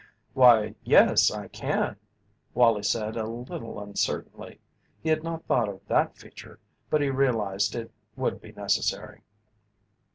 "Why, yes, I can," Wallie said a little uncertainly. He had not thought of that feature, but he realized it would be necessary.